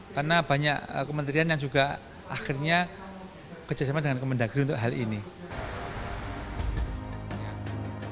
karena banyak kementerian yang juga akhirnya kerjasama dengan kementerian dari kementerian dari untuk hal ini